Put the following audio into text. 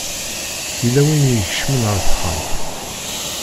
Yella win i ikecmen ar texxamt.